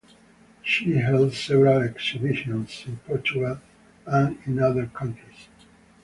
She held several exhibitions in Portugal and in other countries.